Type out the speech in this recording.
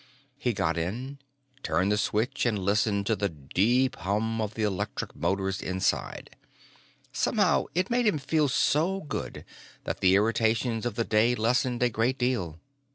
He got in, turned the switch, and listened to the deep hum of the electric motors inside. Somehow, it made him feel so good that the irritations of the day lessened a great deal.